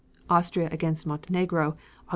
Austria against Montenegro, Aug.